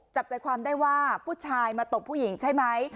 จับใจความได้ว่าผู้ชายมาตบผู้หญิงใช่ไหม